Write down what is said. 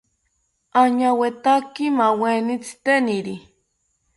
Añawetaki maaweni tziteniri